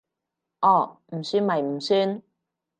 哦，唔算咪唔算